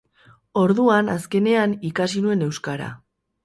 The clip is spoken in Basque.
Orduan, azkenean, ikasi nuen euskara.